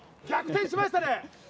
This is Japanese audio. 逆転しましたね。